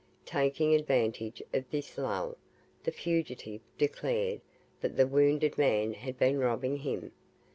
Taking advantage of this lull, the fugitive declared that the wounded man had been robbing him.